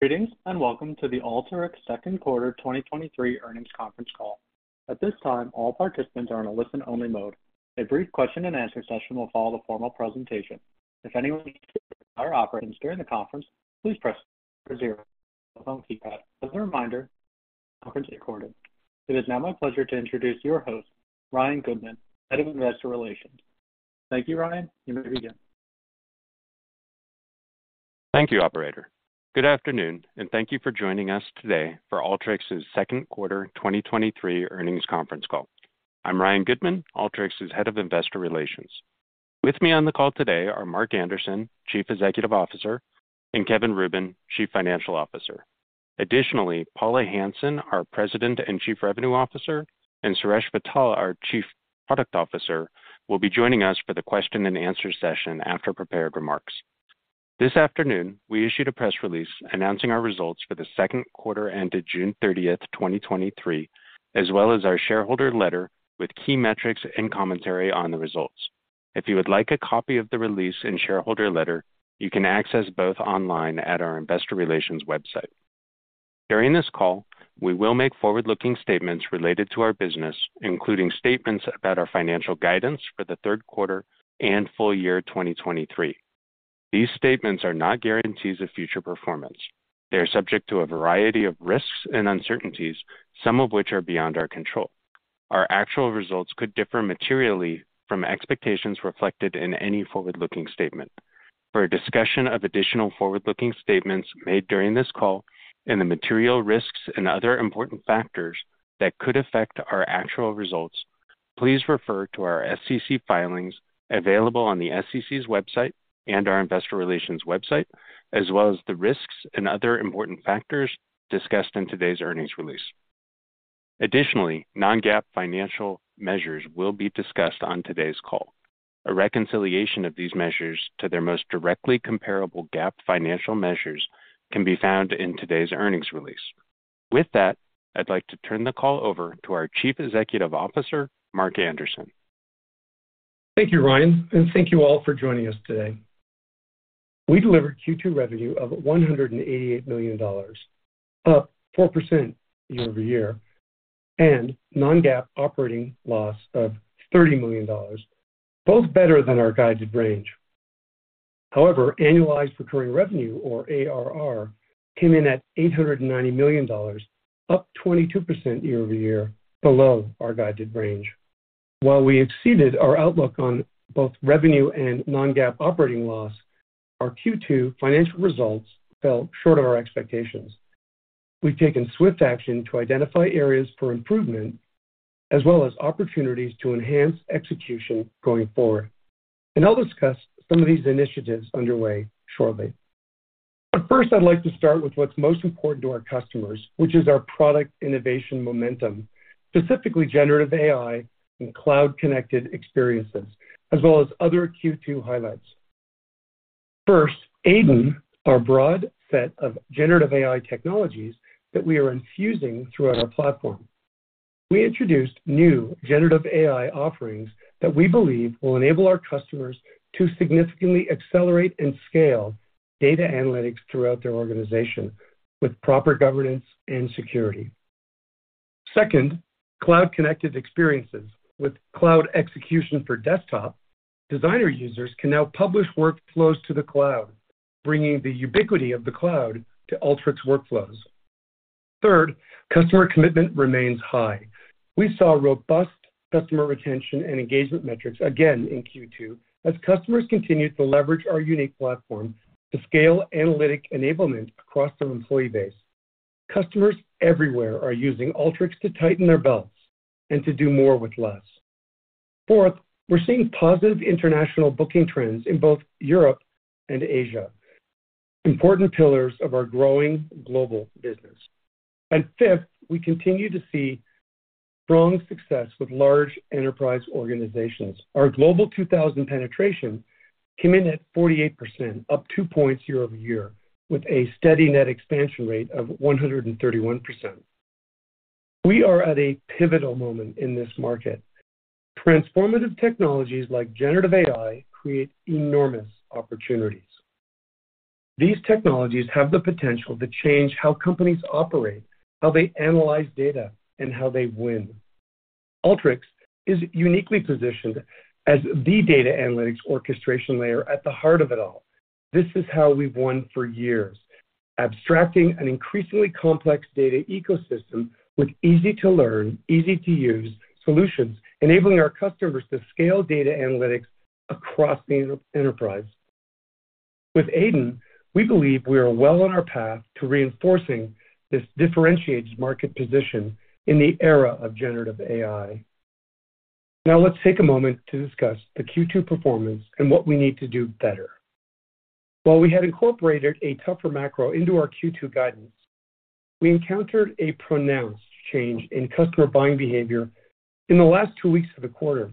Greetings, and welcome to the Alteryx second quarter 2023 earnings conference call. At this time, all participants are on a listen-only mode. A brief question and answer session will follow the formal presentation. If anyone operates during the conference, please press zero on your phone keypad. As a reminder, conference is recorded. It is now my pleasure to introduce your host, Ryan Goodman, Head of Investor Relations. Thank you, Ryan. You may begin. Thank you, operator. Good afternoon, and thank you for joining us today for Alteryx's 2nd quarter 2023 earnings conference call. I'm Ryan Goodman, Alteryx's Head of Investor Relations. With me on the call today are Mark Anderson, Chief Executive Officer, and Kevin Rubin, Chief Financial Officer. Additionally, Paula Hansen, our President and Chief Revenue Officer, and Suresh Vittal, our Chief Product Officer, will be joining us for the question and answer session after prepared remarks. This afternoon, we issued a press release announcing our results for the 2nd quarter ended June 30, 2023, as well as our shareholder letter with key metrics and commentary on the results. If you would like a copy of the release and shareholder letter, you can access both online at our investor relations website. During this call, we will make forward-looking statements related to our business, including statements about our financial guidance for the third quarter and full year 2023. These statements are not guarantees of future performance. They are subject to a variety of risks and uncertainties, some of which are beyond our control. Our actual results could differ materially from expectations reflected in any forward-looking statement. For a discussion of additional forward-looking statements made during this call and the material risks and other important factors that could affect our actual results, please refer to our SEC filings available on the SEC's website and our investor relations website, as well as the risks and other important factors discussed in today's earnings release. Additionally, non-GAAP financial measures will be discussed on today's call. A reconciliation of these measures to their most directly comparable GAAP financial measures can be found in today's earnings release. With that, I'd like to turn the call over to our Chief Executive Officer, Mark Anderson. Thank you, Ryan, and thank you all for joining us today. We delivered Q2 revenue of $188 million, up 4% year-over-year, and non-GAAP operating loss of $30 million, both better than our guided range. Annualized recurring revenue, or ARR, came in at $890 million, up 22% year-over-year, below our guided range. While we exceeded our outlook on both revenue and non-GAAP operating loss, our Q2 financial results fell short of our expectations. We've taken swift action to identify areas for improvement, as well as opportunities to enhance execution going forward, and I'll discuss some of these initiatives underway shortly. First, I'd like to start with what's most important to our customers, which is our product innovation momentum, specifically generative AI and cloud-connected experiences, as well as other Q2 highlights. First, AiDIN, our broad set of generative AI technologies that we are infusing throughout our platform. We introduced new generative AI offerings that we believe will enable our customers to significantly accelerate and scale data analytics throughout their organization with proper governance and security. Second, cloud-connected experiences. With Cloud Execution for Desktop, Designer users can now publish workflows to the cloud, bringing the ubiquity of the cloud to Alteryx workflows. Third, customer commitment remains high. We saw robust customer retention and engagement metrics again in Q2 as customers continued to leverage our unique platform to scale analytic enablement across their employee base. Customers everywhere are using Alteryx to tighten their belts and to do more with less. Fourth, we're seeing positive international booking trends in both Europe and Asia, important pillars of our growing global business. Fifth, we continue to see strong success with large enterprise organizations. Our Global 2000 penetration came in at 48%, up two points year-over-year, with a steady net expansion rate of 131%. We are at a pivotal moment in this market. Transformative technologies like generative AI create enormous opportunities. These technologies have the potential to change how companies operate, how they analyze data, and how they win. Alteryx is uniquely positioned as the data analytics orchestration layer at the heart of it all. This is how we've won for years, abstracting an increasingly complex data ecosystem with easy-to-learn, easy-to-use solutions, enabling our customers to scale data analytics across the enterprise. With AiDIN, we believe we are well on our path to reinforcing this differentiated market position in the era of generative AI. Now, let's take a moment to discuss the Q2 performance and what we need to do better. While we had incorporated a tougher macro into our Q2 guidance, we encountered a pronounced change in customer buying behavior in the last two weeks of the quarter.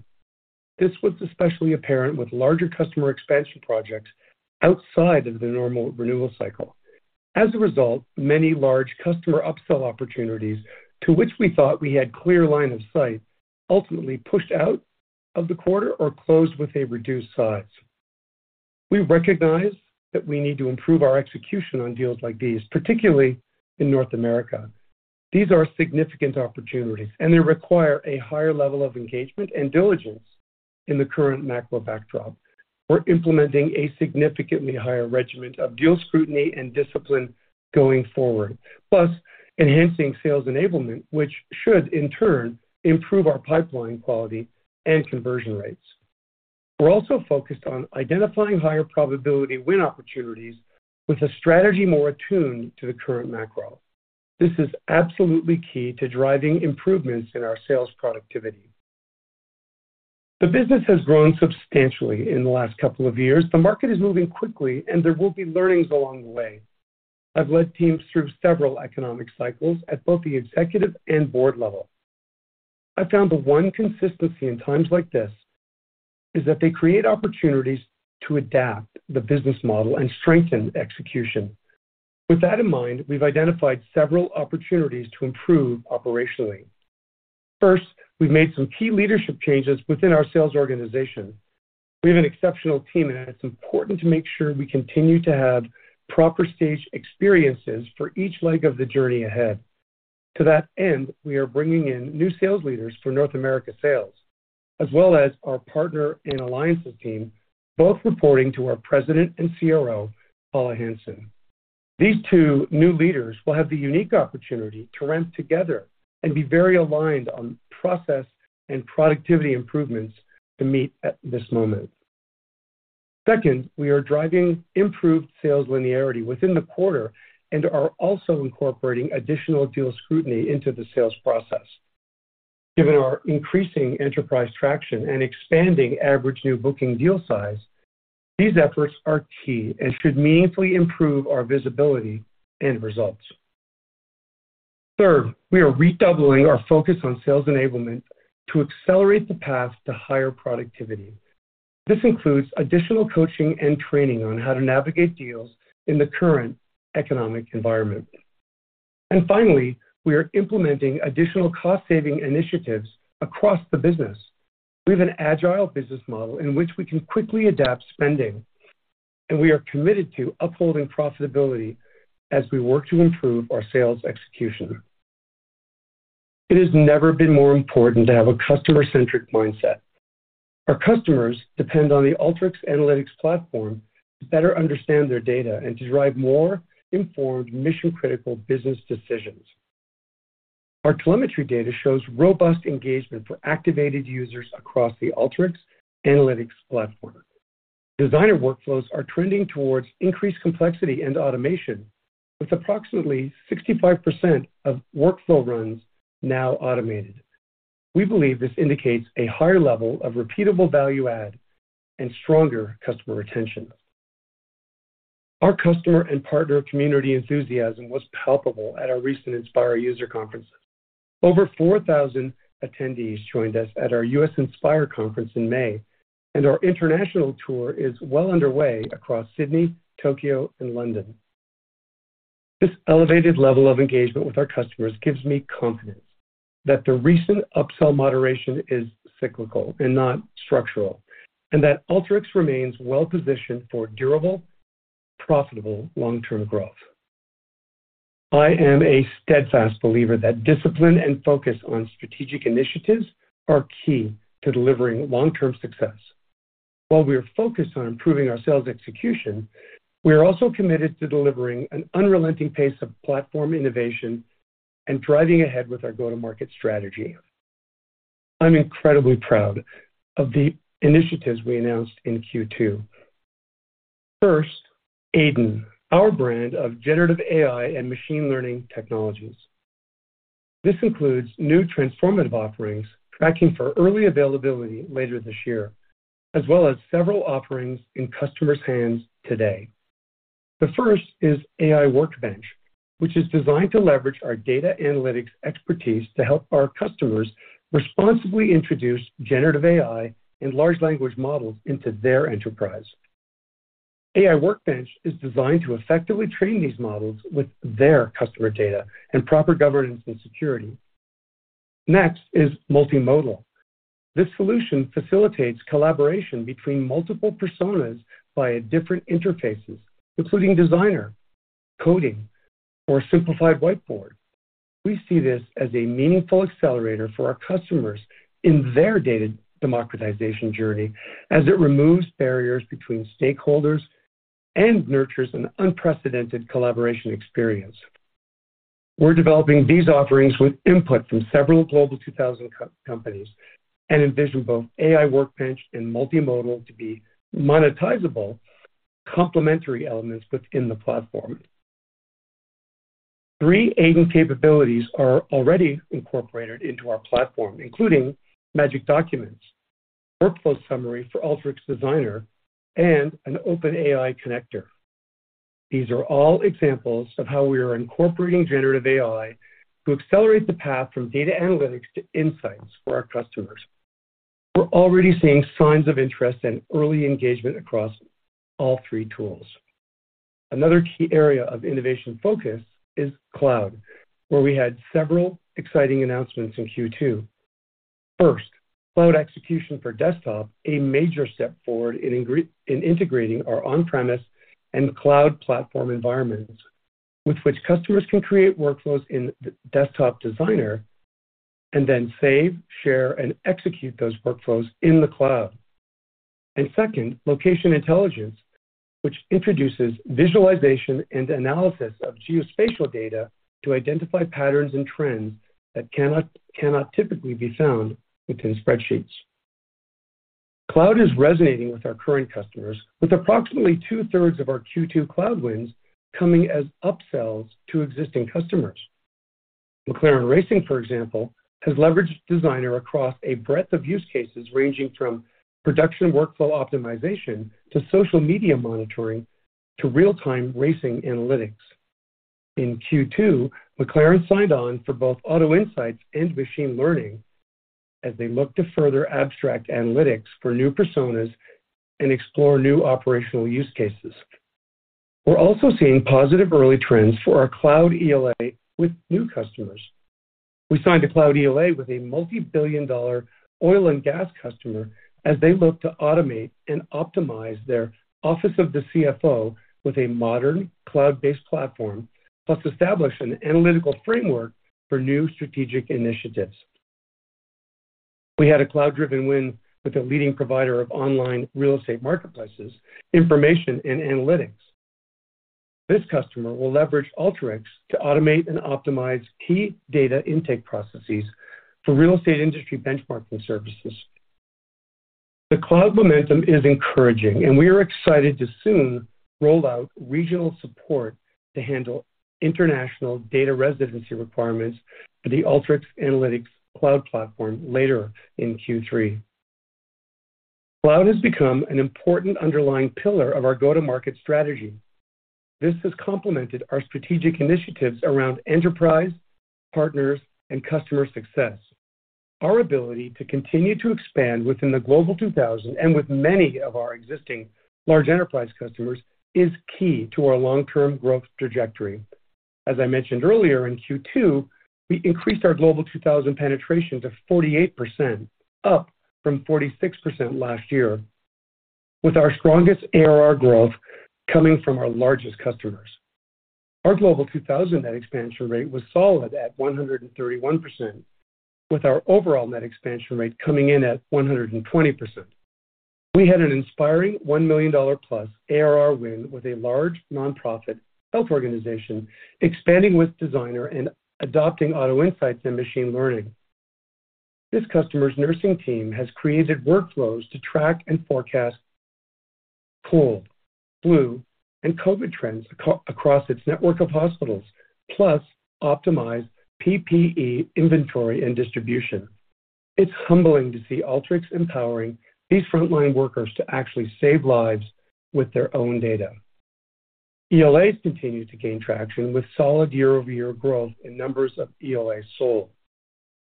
This was especially apparent with larger customer expansion projects outside of the normal renewal cycle. As a result, many large customer upsell opportunities to which we thought we had clear line of sight ultimately pushed out-... of the quarter or closed with a reduced size. We recognize that we need to improve our execution on deals like these, particularly in North America. They require a higher level of engagement and diligence in the current macro backdrop. We're implementing a significantly higher regimen of deal scrutiny and discipline going forward, plus enhancing sales enablement, which should in turn improve our pipeline quality and conversion rates. We're also focused on identifying higher probability win opportunities with a strategy more attuned to the current macro. This is absolutely key to driving improvements in our sales productivity. The business has grown substantially in the last couple of years. The market is moving quickly, and there will be learnings along the way. I've led teams through several economic cycles at both the executive and board level. I found the one consistency in times like this, is that they create opportunities to adapt the business model and strengthen execution. With that in mind, we've identified several opportunities to improve operationally. First, we've made some key leadership changes within our sales organization. We have an exceptional team, and it's important to make sure we continue to have proper stage experiences for each leg of the journey ahead. To that end, we are bringing in new sales leaders for North America sales, as well as our partner and alliances team, both reporting to our President and CRO, Paula Hansen. These two new leaders will have the unique opportunity to ramp together and be very aligned on process and productivity improvements to meet at this moment. Second, we are driving improved sales linearity within the quarter and are also incorporating additional deal scrutiny into the sales process. Given our increasing enterprise traction and expanding average new booking deal size, these efforts are key and should meaningfully improve our visibility and results. Third, we are redoubling our focus on sales enablement to accelerate the path to higher productivity. This includes additional coaching and training on how to navigate deals in the current economic environment. Finally, we are implementing additional cost-saving initiatives across the business. We have an agile business model in which we can quickly adapt spending. We are committed to upholding profitability as we work to improve our sales execution. It has never been more important to have a customer-centric mindset. Our customers depend on the Alteryx Analytics platform to better understand their data and derive more informed, mission-critical business decisions. Our telemetry data shows robust engagement for activated users across the Alteryx Analytics platform. Designer workflows are trending towards increased complexity and automation, with approximately 65% of workflow runs now automated. We believe this indicates a higher level of repeatable value add and stronger customer retention. Our customer and partner community enthusiasm was palpable at our recent Inspire user conference. Over 4,000 attendees joined us at our US Inspire conference in May, and our international tour is well underway across Sydney, Tokyo, and London. This elevated level of engagement with our customers gives me confidence that the recent upsell moderation is cyclical and not structural, and that Alteryx remains well-positioned for durable, profitable long-term growth. I am a steadfast believer that discipline and focus on strategic initiatives are key to delivering long-term success. While we are focused on improving our sales execution, we are also committed to delivering an unrelenting pace of platform innovation and driving ahead with our go-to-market strategy. I'm incredibly proud of the initiatives we announced in Q2. First, AiDIN, our brand of generative AI and machine learning technologies. This includes new transformative offerings tracking for early availability later this year, as well as several offerings in customers' hands today. The first is AI Workbench, which is designed to leverage our data analytics expertise to help our customers responsibly introduce generative AI and large language models into their enterprise. AI Workbench is designed to effectively train these models with their customer data and proper governance and security. Next is Multimodal. This solution facilitates collaboration between multiple personas via different interfaces, including designer, coding, or simplified whiteboard. We see this as a meaningful accelerator for our customers in their data democratization journey as it removes barriers between stakeholders and nurtures an unprecedented collaboration experience. We're developing these offerings with input from several Global 2000 companies and envision both AI Workbench and Multimodal to be monetizable, complementary elements within the platform. Three AiDIN capabilities are already incorporated into our platform, including Magic Documents, Workflow Summary for Alteryx Designer, and an OpenAI Connector. These are all examples of how we are incorporating generative AI to accelerate the path from data analytics to insights for our customers. We're already seeing signs of interest and early engagement across all three tools.... Another key area of innovation focus is cloud, where we had several exciting announcements in Q2. First, Cloud Execution for Desktop, a major step forward in integrating our on-premise and cloud platform environments, with which customers can create workflows in the Designer Desktop and then save, share, and execute those workflows in the cloud. Second, Location Intelligence, which introduces visualization and analysis of geospatial data to identify patterns and trends that cannot typically be found within spreadsheets. Cloud is resonating with our current customers, with approximately two-thirds of our Q2 cloud wins coming as upsells to existing customers. McLaren Racing, for example, has leveraged Designer across a breadth of use cases, ranging from production workflow optimization to social media monitoring, to real-time racing analytics. In Q2, McLaren signed on for both Auto Insights and machine learning as they look to further abstract analytics for new personas and explore new operational use cases. We're also seeing positive early trends for our cloud ELA with new customers. We signed a cloud ELA with a $multi-billion oil and gas customer as they look to automate and optimize their office of the CFO with a modern, cloud-based platform, plus establish an analytical framework for new strategic initiatives. We had a cloud-driven win with a leading provider of online real estate marketplaces, information, and analytics. This customer will leverage Alteryx to automate and optimize key data intake processes for real estate industry benchmarking services. The cloud momentum is encouraging, and we are excited to soon roll out regional support to handle international data residency requirements for the Alteryx Analytics Cloud platform later in Q3. Cloud has become an important underlying pillar of our go-to-market strategy. This has complemented our strategic initiatives around enterprise, partners, and customer success. Our ability to continue to expand within the Global 2000 and with many of our existing large enterprise customers, is key to our long-term growth trajectory. As I mentioned earlier, in Q2, we increased our Global 2000 penetration to 48%, up from 46% last year, with our strongest ARR growth coming from our largest customers. Our Global 2000 net expansion rate was solid at 131%, with our overall net expansion rate coming in at 120%. We had an inspiring $1 million+ ARR win with a large nonprofit health organization, expanding with Designer and adopting Auto Insights and machine learning. This customer's nursing team has created workflows to track and forecast cold, flu, and COVID trends across its network of hospitals, plus optimize PPE inventory and distribution. It's humbling to see Alteryx empowering these frontline workers to actually save lives with their own data. ELAs continue to gain traction, with solid year-over-year growth in numbers of ELA sold.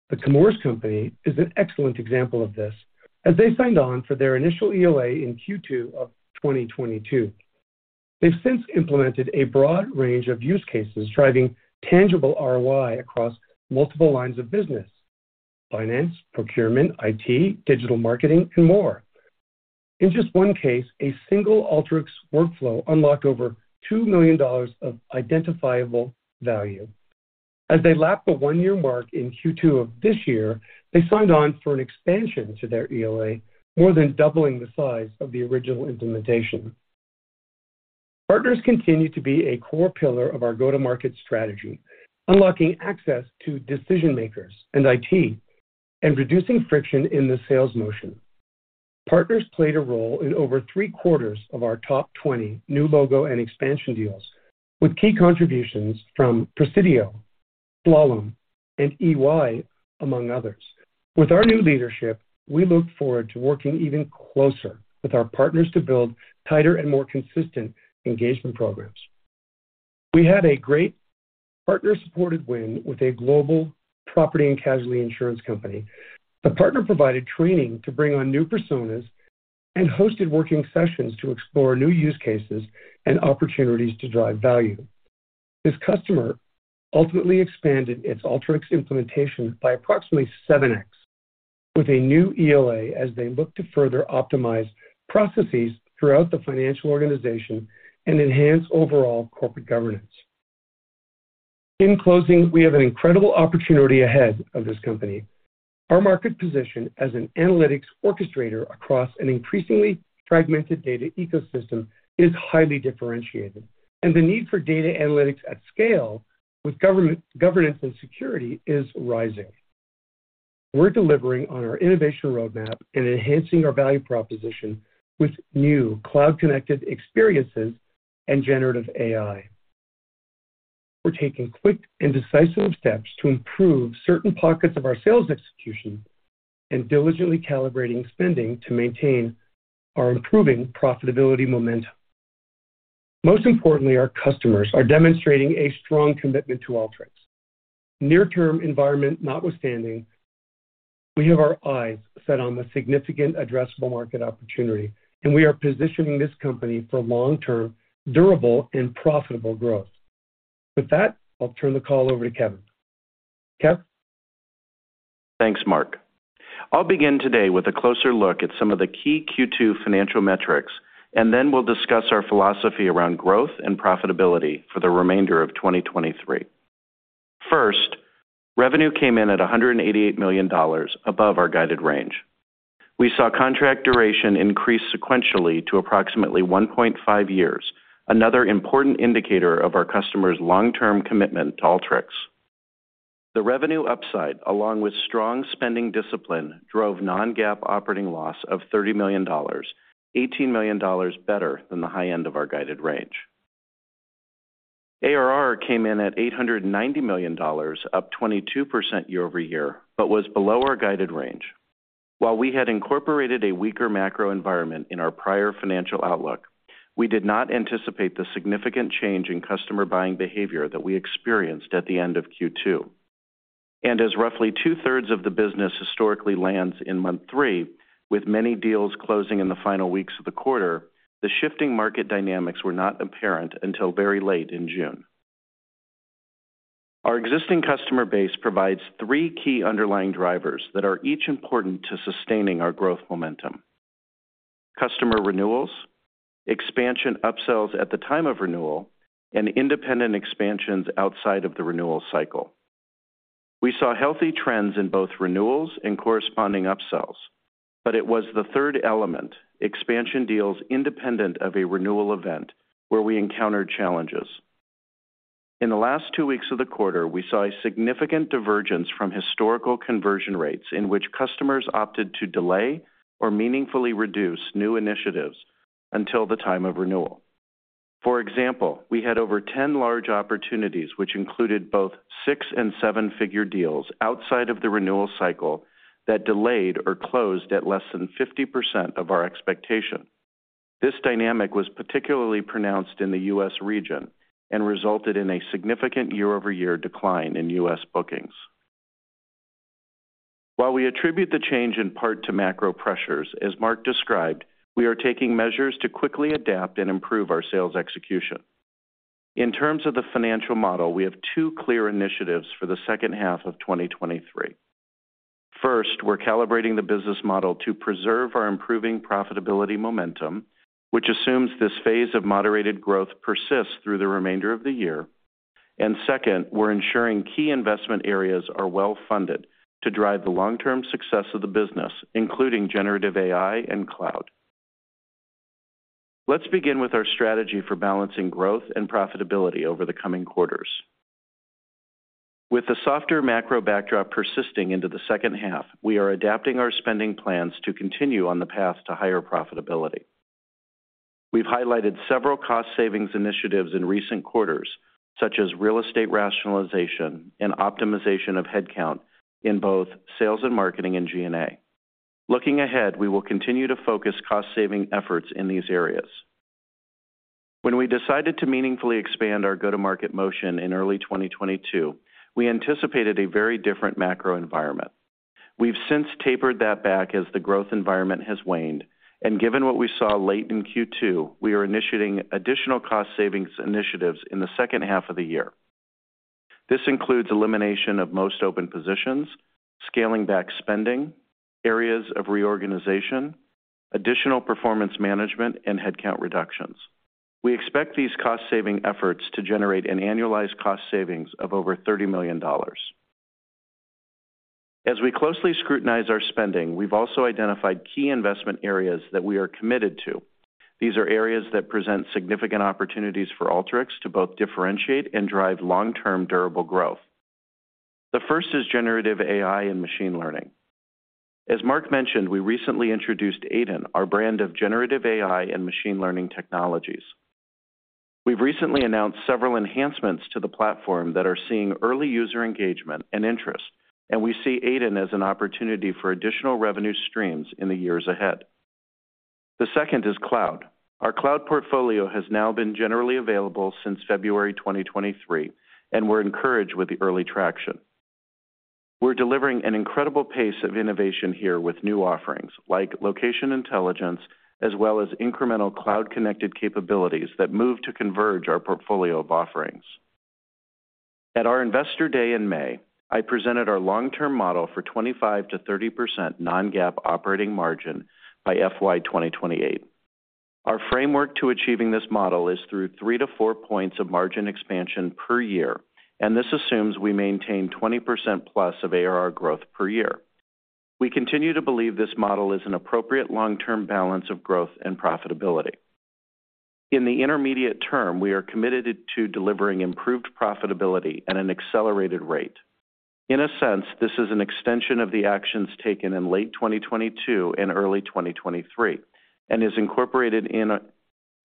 The Chemours Company is an excellent example of this, as they signed on for their initial ELA in Q2 of 2022. They've since implemented a broad range of use cases, driving tangible ROI across multiple lines of business: finance, procurement, IT, digital marketing, and more. In just one case, a single Alteryx workflow unlocked over $2 million of identifiable value. As they lapped the one-year mark in Q2 of this year, they signed on for an expansion to their ELA, more than doubling the size of the original implementation. Partners continue to be a core pillar of our go-to-market strategy, unlocking access to decision-makers and IT, and reducing friction in the sales motion. Partners played a role in over three-quarters of our top 20 new logo and expansion deals, with key contributions from Presidio, Slalom, and EY, among others. With our new leadership, we look forward to working even closer with our partners to build tighter and more consistent engagement programs. We had a great partner-supported win with a global property and casualty insurance company. The partner provided training to bring on new personas and hosted working sessions to explore new use cases and opportunities to drive value. This customer ultimately expanded its Alteryx implementation by approximately 7x, with a new ELA as they look to further optimize processes throughout the financial organization and enhance overall corporate governance. In closing, we have an incredible opportunity ahead of this company. Our market position as an analytics orchestrator across an increasingly fragmented data ecosystem is highly differentiated, and the need for data analytics at scale with governance and security is rising. We're delivering on our innovation roadmap and enhancing our value proposition with new cloud-connected experiences and generative AI. We're taking quick and decisive steps to improve certain pockets of our sales execution and diligently calibrating spending to maintain our improving profitability momentum. Most importantly, our customers are demonstrating a strong commitment to Alteryx. Near-term environment notwithstanding, we have our eyes set on a significant addressable market opportunity, and we are positioning this company for long-term, durable, and profitable growth. With that, I'll turn the call over to Kevin. Kev? Thanks, Mark. I'll begin today with a closer look at some of the key Q2 financial metrics, then we'll discuss our philosophy around growth and profitability for the remainder of 2023. First, revenue came in at $188 million above our guided range. We saw contract duration increase sequentially to approximately 1.5 years, another important indicator of our customers' long-term commitment to Alteryx. The revenue upside, along with strong spending discipline, drove non-GAAP operating loss of $30 million, $18 million better than the high end of our guided range. ARR came in at $890 million, up 22% year-over-year, was below our guided range. While we had incorporated a weaker macro environment in our prior financial outlook, we did not anticipate the significant change in customer buying behavior that we experienced at the end of Q2. As roughly two-thirds of the business historically lands in month three, with many deals closing in the final weeks of the quarter, the shifting market dynamics were not apparent until very late in June. Our existing customer base provides three key underlying drivers that are each important to sustaining our growth momentum: customer renewals, expansion upsells at the time of renewal, and independent expansions outside of the renewal cycle. We saw healthy trends in both renewals and corresponding upsells. It was the third element, expansion deals independent of a renewal event, where we encountered challenges. In the last two weeks of the quarter, we saw a significant divergence from historical conversion rates in which customers opted to delay or meaningfully reduce new initiatives until the time of renewal. For example, we had over 10 large opportunities, which included both six and seven-figure deals outside of the renewal cycle, that delayed or closed at less than 50% of our expectation. This dynamic was particularly pronounced in the US region and resulted in a significant year-over-year decline in US bookings. While we attribute the change in part to macro pressures, as Mark described, we are taking measures to quickly adapt and improve our sales execution. In terms of the financial model, we have two clear initiatives for the second half of 2023. First, we're calibrating the business model to preserve our improving profitability momentum, which assumes this phase of moderated growth persists through the remainder of the year. Second, we're ensuring key investment areas are well-funded to drive the long-term success of the business, including generative AI and cloud. Let's begin with our strategy for balancing growth and profitability over the coming quarters. With the softer macro backdrop persisting into the second half, we are adapting our spending plans to continue on the path to higher profitability. We've highlighted several cost savings initiatives in recent quarters, such as real estate rationalization and optimization of headcount in both sales and marketing and G&A. Looking ahead, we will continue to focus cost-saving efforts in these areas. When we decided to meaningfully expand our go-to-market motion in early 2022, we anticipated a very different macro environment. We've since tapered that back as the growth environment has waned, and given what we saw late in Q2, we are initiating additional cost savings initiatives in the second half of the year. This includes elimination of most open positions, scaling back spending, areas of reorganization, additional performance management, and headcount reductions. We expect these cost-saving efforts to generate an annualized cost savings of over $30 million. As we closely scrutinize our spending, we've also identified key investment areas that we are committed to. These are areas that present significant opportunities for Alteryx to both differentiate and drive long-term durable growth. The first is generative AI and machine learning. As Mark mentioned, we recently introduced AiDIN, our brand of generative AI and machine learning technologies. We've recently announced several enhancements to the platform that are seeing early user engagement and interest, and we see AiDIN as an opportunity for additional revenue streams in the years ahead. The second is cloud. Our cloud portfolio has now been generally available since February 2023, and we're encouraged with the early traction. We're delivering an incredible pace of innovation here with new offerings like Location Intelligence, as well as incremental cloud-connected capabilities that move to converge our portfolio of offerings. At our Investor Day in May, I presented our long-term model for 25-30% non-GAAP operating margin by FY 2028. Our framework to achieving this model is through 3 to 4 points of margin expansion per year, and this assumes we maintain 20%+ of ARR growth per year. We continue to believe this model is an appropriate long-term balance of growth and profitability. In the intermediate term, we are committed to delivering improved profitability at an accelerated rate. In a sense, this is an extension of the actions taken in late 2022 and early 2023 and is incorporated in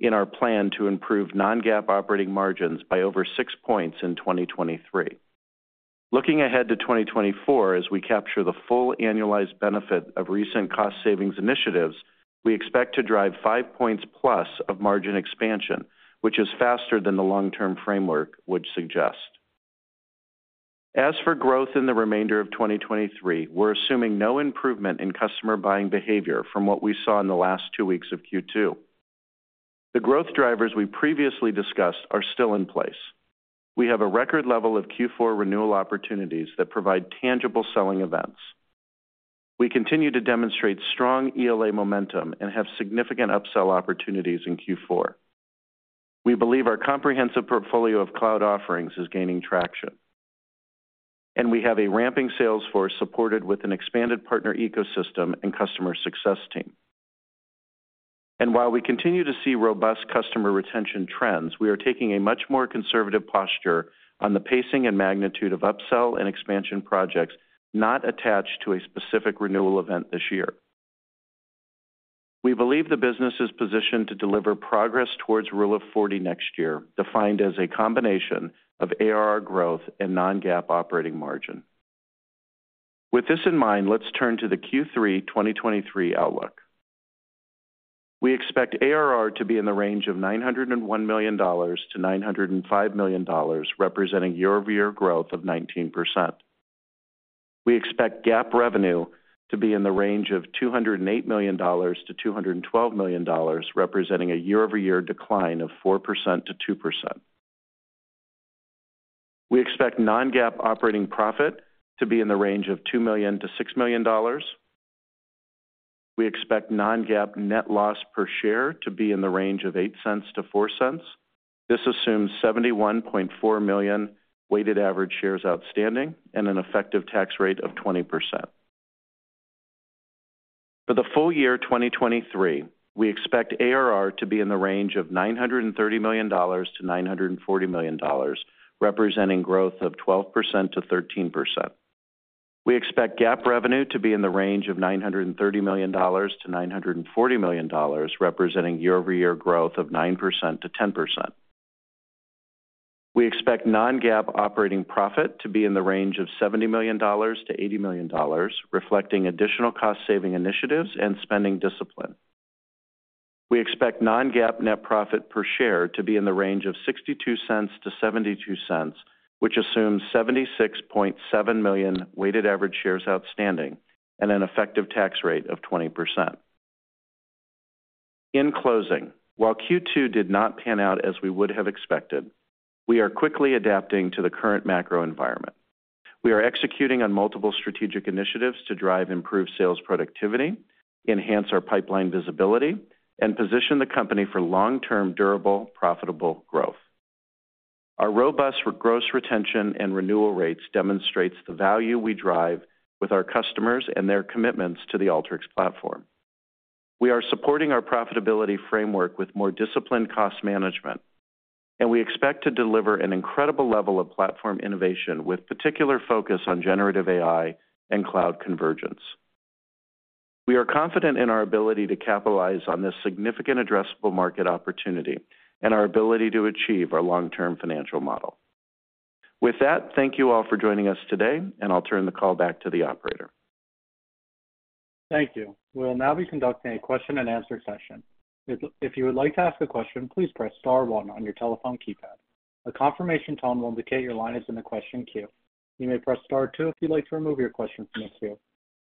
our plan to improve non-GAAP operating margins by over 6 points in 2023. Looking ahead to 2024, as we capture the full annualized benefit of recent cost savings initiatives. We expect to drive 5 points+ of margin expansion, which is faster than the long-term framework would suggest. As for growth in the remainder of 2023, we're assuming no improvement in customer buying behavior from what we saw in the last 2 weeks of Q2. The growth drivers we previously discussed are still in place. We have a record level of Q4 renewal opportunities that provide tangible selling events. We continue to demonstrate strong ELA momentum and have significant upsell opportunities in Q4. We believe our comprehensive portfolio of cloud offerings is gaining traction, and we have a ramping sales force supported with an expanded partner ecosystem and customer success team. While we continue to see robust customer retention trends, we are taking a much more conservative posture on the pacing and magnitude of upsell and expansion projects not attached to a specific renewal event this year. We believe the business is positioned to deliver progress towards Rule of 40 next year, defined as a combination of ARR growth and non-GAAP operating margin. With this in mind, let's turn to the Q3 2023 outlook. We expect ARR to be in the range of $901 million-$905 million, representing year-over-year growth of 19%. We expect GAAP revenue to be in the range of $208 million to $212 million, representing a year-over-year decline of 4%-2%. We expect non-GAAP operating profit to be in the range of $2 million-$6 million. We expect non-GAAP net loss per share to be in the range of $0.08-$0.04. This assumes 71.4 million weighted average shares outstanding and an effective tax rate of 20%. For the full year 2023, we expect ARR to be in the range of $930 million to $940 million, representing growth of 12%-13%. We expect GAAP revenue to be in the range of $930 million-$940 million, representing year-over-year growth of 9%-10%. We expect non-GAAP operating profit to be in the range of $70 million-$80 million, reflecting additional cost-saving initiatives and spending discipline. We expect non-GAAP net profit per share to be in the range of $0.62-$0.72, which assumes 76.7 million weighted average shares outstanding and an effective tax rate of 20%. In closing, while Q2 did not pan out as we would have expected, we are quickly adapting to the current macro environment. We are executing on multiple strategic initiatives to drive improved sales productivity, enhance our pipeline visibility, and position the company for long-term, durable, profitable growth. Our robust gross retention and renewal rates demonstrates the value we drive with our customers and their commitments to the Alteryx platform. We are supporting our profitability framework with more disciplined cost management, and we expect to deliver an incredible level of platform innovation, with particular focus on generative AI and cloud convergence. We are confident in our ability to capitalize on this significant addressable market opportunity and our ability to achieve our long-term financial model. With that, thank you all for joining us today, and I'll turn the call back to the operator. Thank you. We will now be conducting a question-and-answer session. If, if you would like to ask a question, please press star one on your telephone keypad. A confirmation tone will indicate your line is in the question queue. You may press star two if you'd like to remove your question from the queue.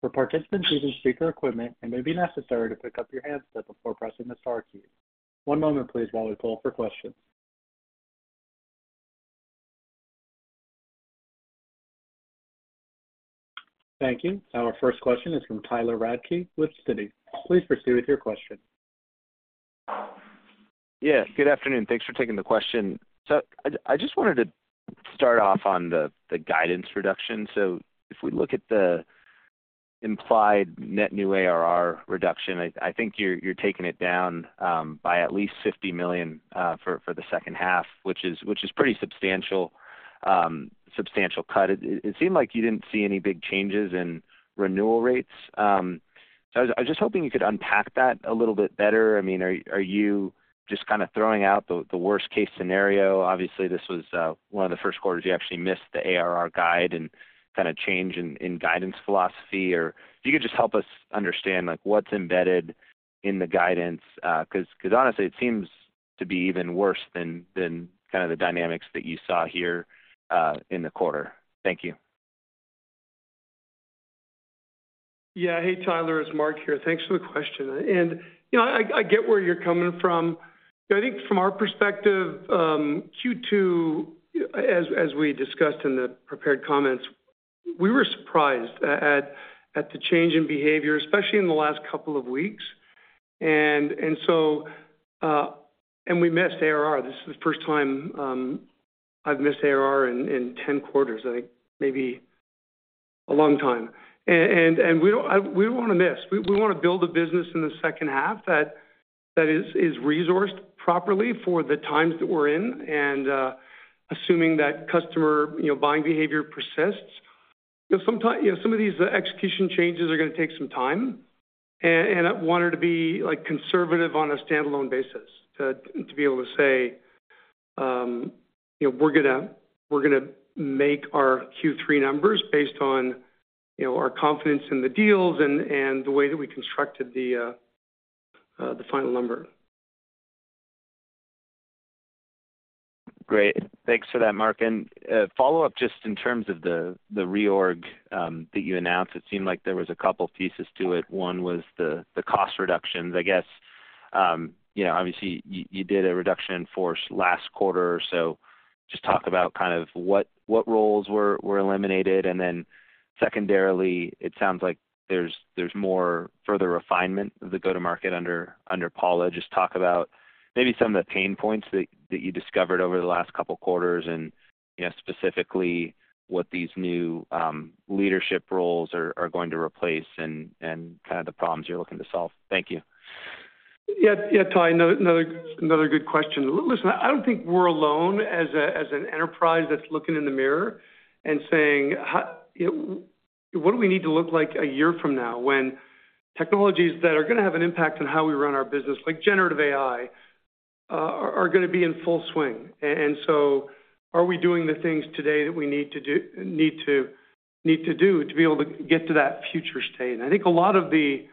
For participants using speaker equipment, it may be necessary to pick up your handset before pressing the star key. One moment, please, while we poll for questions. Thank you. Our first question is from Tyler Radke with Citi. Please proceed with your question. Yeah, good afternoon. Thanks for taking the question. I, I just wanted to start off on the guidance reduction. If we look at the implied net new ARR reduction, I, I think you're taking it down by at least $50 million for the second half, which is pretty substantial, substantial cut. It, it seemed like you didn't see any big changes in renewal rates. I was just hoping you could unpack that a little bit better. I mean, are, are you just kind of throwing out the worst-case scenario? Obviously, this was one of the first quarters you actually missed the ARR guide and kind of change in guidance philosophy. If you could just help us understand, like, what's embedded in the guidance, 'cause, 'cause honestly, it seems to be even worse than, than kind of the dynamics that you saw here, in the quarter. Thank you. Yeah. Hey, Tyler, it's Mark here. Thanks for the question, and, you know, I, I get where you're coming from. I think from our perspective, Q2, as, as we discussed in the prepared comments, we were surprised at, at, at the change in behavior, especially in the last couple of weeks. We missed ARR. This is the first time, I've missed ARR in, in 10 quarters, I think maybe a long time. We don't want to miss. We, we want to build a business in the second half that, that is, is resourced properly for the times that we're in. Assuming that customer, you know, buying behavior persists, you know, sometimes, you know, some of these execution changes are going to take some time, and I wanted to be, like, conservative on a standalone basis, to, to be able to say.... you know, we're gonna, we're gonna make our Q3 numbers based on, you know, our confidence in the deals and, and the way that we constructed the final number. Great. Thanks for that, Mark. Follow up, just in terms of the reorg that you announced, it seemed like there was a couple pieces to it. One was the cost reductions. I guess, you know, obviously, you did a reduction in force last quarter, so just talk about kind of what roles were eliminated. Then secondarily, it sounds like there's more further refinement of the go-to-market under Paula. Just talk about maybe some of the pain points that you discovered over the last couple of quarters, and, you know, specifically what these new leadership roles are going to replace and kind of the problems you're looking to solve. Thank you. Yeah, yeah, Ty, another, another good question. Listen, I don't think we're alone as an enterprise that's looking in the mirror and saying, "How... You know, what do we need to look like a year from now when technologies that are going to have an impact on how we run our business, like generative AI, are, are going to be in full swing? And so are we doing the things today that we need to do, need to, need to do to be able to get to that future state?" I think a lot of the,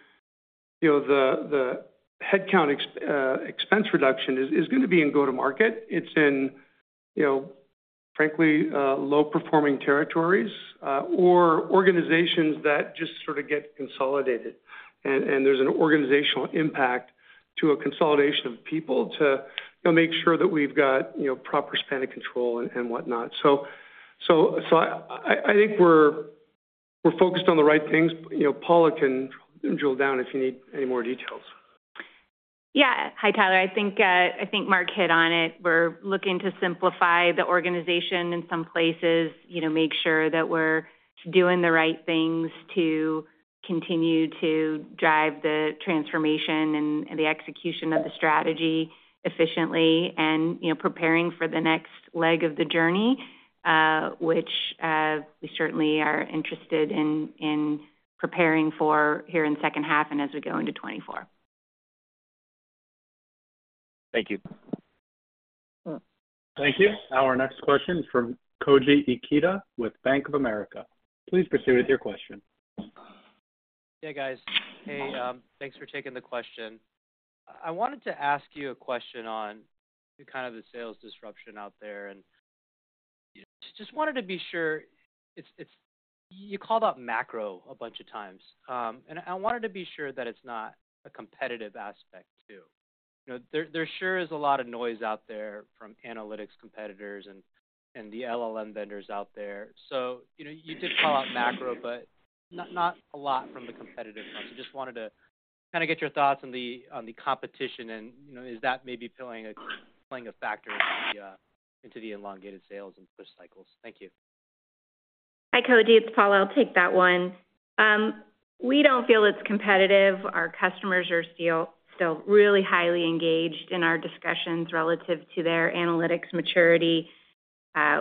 you know, the, the headcount expense reduction is, is going to be in go-to-market. It's in, you know, frankly, low-performing territories, or organizations that just sort of get consolidated. There's an organizational impact to a consolidation of people to, you know, make sure that we've got, you know, proper span of control and, and whatnot. I think we're focused on the right things. You know, Paula can drill down if you need any more details. Yeah. Hi, Tyler. I think, I think Mark hit on it. We're looking to simplify the organization in some places, you know, make sure that we're doing the right things to continue to drive the transformation and, and the execution of the strategy efficiently and, you know, preparing for the next leg of the journey, which, we certainly are interested in, in preparing for here in second half and as we go into 2024. Thank you. Thank you. Our next question is from Koji Ikeda with Bank of America. Please proceed with your question. Hey, guys. Hey, thanks for taking the question. I wanted to ask you a question on kind of the sales disruption out there, and just wanted to be sure it's, it's. You called out macro a bunch of times, and I wanted to be sure that it's not a competitive aspect, too. You know, there, there sure is a lot of noise out there from analytics competitors and, and the LLM vendors out there. You know, you did call out macro, but not, not a lot from the competitive front. Just wanted to kind of get your thoughts on the, on the competition and, you know, is that maybe playing a, playing a factor into the elongated sales and push cycles? Thank you. Hi, Koji. It's Paula. I'll take that one. We don't feel it's competitive. Our customers are still, still really highly engaged in our discussions relative to their analytics maturity.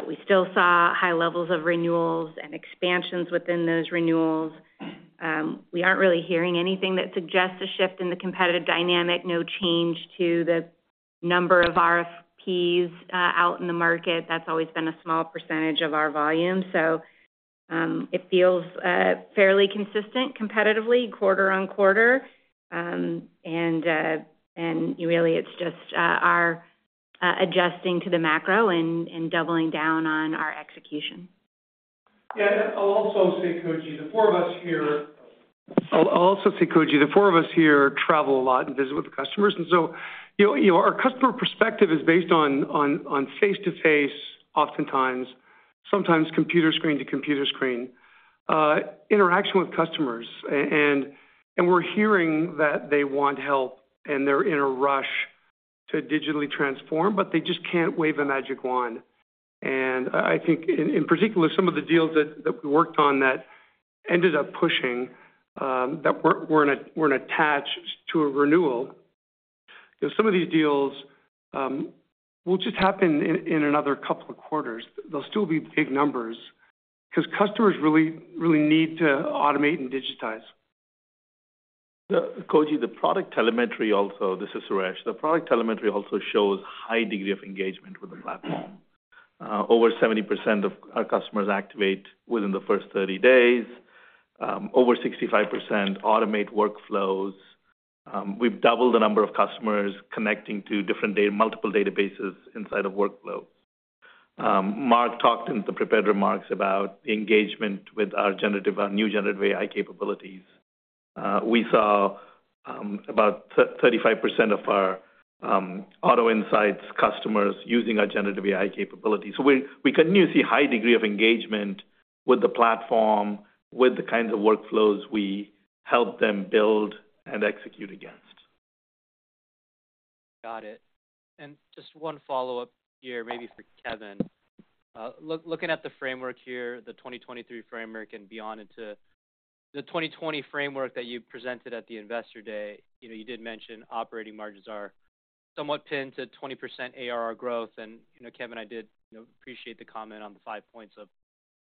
We still saw high levels of renewals and expansions within those renewals. We aren't really hearing anything that suggests a shift in the competitive dynamic. No change to the number of RFPs out in the market. That's always been a small percentage of our volume, so it feels fairly consistent competitively, quarter on quarter. And really, it's just our adjusting to the macro and doubling down on our execution. Yeah. I'll also say, Koji, the four of us here. I'll, I'll also say, Koji, the four of us here travel a lot and visit with the customers, and so, you know, our customer perspective is based on, on, on face-to-face, oftentimes, sometimes computer screen to computer screen, interaction with customers. We're hearing that they want help, and they're in a rush to digitally transform, but they just can't wave a magic wand. I, I think in, in particular, some of the deals that, that we worked on that ended up pushing that weren't, weren't attached to a renewal, some of these deals will just happen in another couple of quarters. They'll still be big numbers because customers really, really need to automate and digitize. Koji, the product telemetry also... This is Suresh. The product telemetry also shows high degree of engagement with the platform. Over 70% of our customers activate within the first 30 days, over 65% automate workflows. We've doubled the number of customers connecting to different multiple databases inside of workflow. Mark talked in the prepared remarks about engagement with our generative, our new generative AI capabilities. We saw about 35% of our Auto Insights customers using our generative AI capabilities. We, we continue to see high degree of engagement with the platform, with the kinds of workflows we help them build and execute against. Got it. Just one follow-up here, maybe for Kevin. Looking at the framework here, the 2023 framework and beyond into the 2020 framework that you presented at the Investor Day, you know, you did mention operating margins are somewhat pinned to 20% ARR growth. You know, Kevin, I did, you know, appreciate the comment on the 5 points of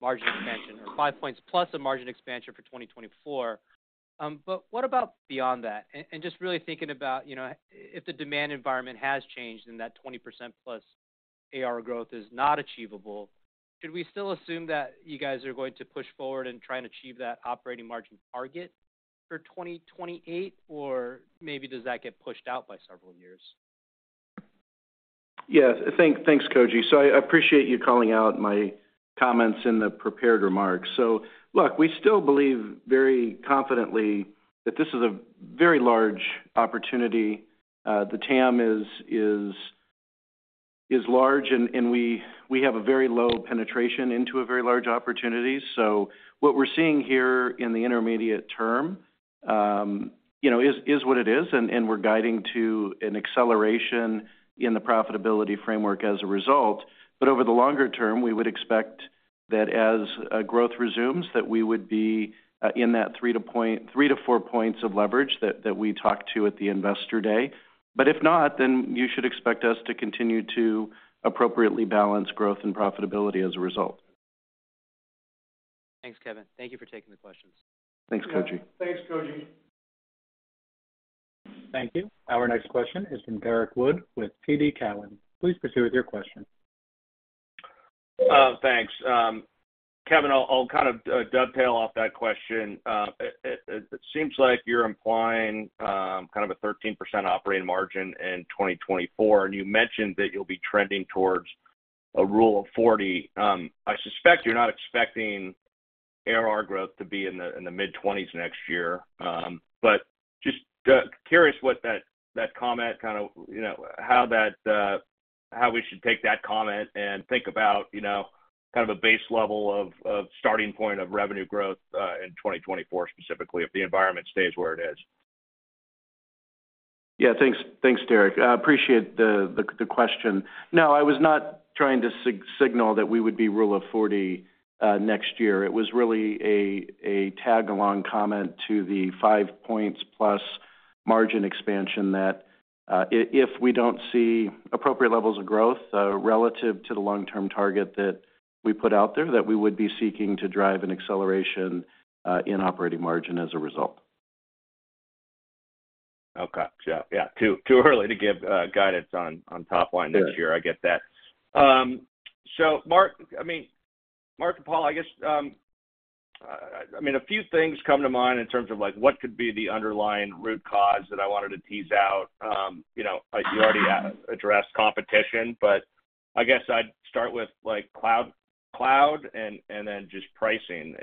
margin expansion or 5 points plus a margin expansion for 2024. What about beyond that? Just really thinking about, you know, if the demand environment has changed and that 20% plus ARR growth is not achievable, should we still assume that you guys are going to push forward and try and achieve that operating margin target for 2028? Or maybe does that get pushed out by several years? Yes. Thanks, Koji. I appreciate you calling out my comments in the prepared remarks. Look, we still believe very confidently that this is a very large opportunity. The TAM is, is, is large, and, and we, we have a very low penetration into a very large opportunity. What we're seeing here in the intermediate term, you know, is, is what it is, and, and we're guiding to an acceleration in the profitability framework as a result. Over the longer term, we would expect that as growth resumes, that we would be in that three to four points of leverage that, that we talked to at the Investor Day. If not, then you should expect us to continue to appropriately balance growth and profitability as a result. Thanks, Kevin. Thank you for taking the questions. Thanks, Koji. Thanks, Koji. Thank you. Our next question is from Derek Wood with TD Cowen. Please proceed with your question. Thanks. Kevin, I'll, I'll kind of dovetail off that question. It, it, it seems like you're implying kind of a 13% operating margin in 2024, and you mentioned that you'll be trending towards a Rule of 40. I suspect you're not expecting ARR growth to be in the, in the mid-20s next year. But just curious what that, that comment kind of, you know, how that, how we should take that comment and think about, you know, kind of a base level of, of starting point of revenue growth in 2024, specifically, if the environment stays where it is. Yeah, thanks. Thanks, Derek. I appreciate the, the, the question. No, I was not trying to signal that we would be Rule of 40 next year. It was really a, a tag-along comment to the 5 points plus margin expansion, that, if, if we don't see appropriate levels of growth, relative to the long-term target that we put out there, that we would be seeking to drive an acceleration, in operating margin as a result. Okay. Yeah, yeah. Too, too early to give guidance on, on top line next year. Sure. I get that. Mark-- I mean, Mark and Paula, I guess, I mean, a few things come to mind in terms of like, what could be the underlying root cause that I wanted to tease out. You know, you already addressed competition, I guess I'd start with, like, cloud, cloud and, then just pricing.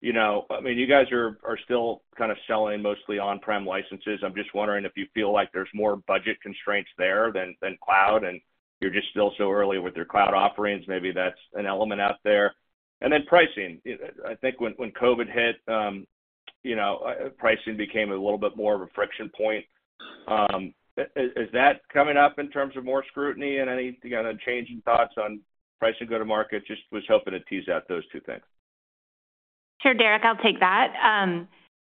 You know, I mean, you guys are, are still kind of selling mostly on-prem licenses. I'm just wondering if you feel like there's more budget constraints there than, than cloud, and you're just still so early with your cloud offerings. Maybe that's an element out there. Then pricing. I think when, when COVID hit, you know, pricing became a little bit more of a friction point. Is that coming up in terms of more scrutiny and any kind of changing thoughts on pricing go-to-market? Just was hoping to tease out those two things. Sure, Derek, I'll take that.